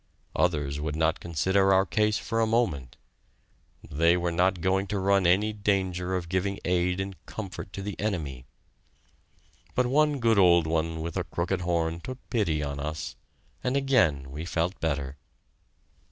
Others would not consider our case for a moment. They were not going to run any danger of giving aid and comfort to the enemy! But one good old one with a crooked horn took pity on us, and again we felt better.